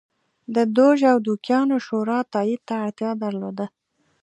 د دوج او دوکیانو شورا تایید ته اړتیا درلوده.